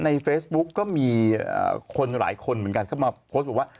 ในเฟซบุ๊กก็มีคนหลายคนเหมือนกันเข้ามาโพสต์บอกว่า